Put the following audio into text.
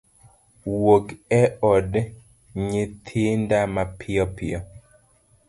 wuog e od nyithinda mapiyo piyo.